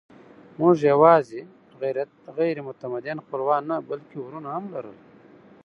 موږ یواځې غیر متمدن خپلوان نه، بلکې وروڼه هم لرل.